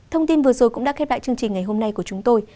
thông tin vừa rồi cũng đã khép lại chương trình ngày hôm nay của chúng tôi